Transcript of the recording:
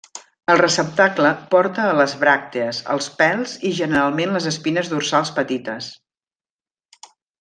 El receptacle porta a les bràctees, els pèls i generalment les espines dorsals petites.